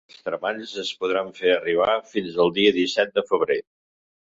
Els treballs es podran fer arribar fins el dia disset de febrer.